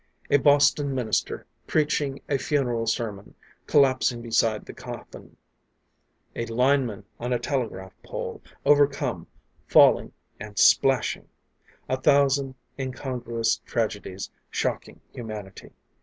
A Boston minister, preaching a funeral sermon, collapsing beside the coffin; a lineman on a telegraph pole, overcome, falling and splashing! A thousand incongruous tragedies shocking humanity.